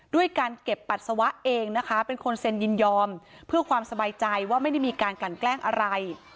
ด้วยการเก็บปัสสาวะเองนะคะเป็นคนเซ็นยินยอมเพื่อความสบายใจว่าไม่ได้มีการกลั่นแกล้งอะไร